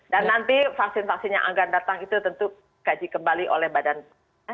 dan nanti vaksin vaksin yang akan datang itu tentu gaji kembali oleh badan kita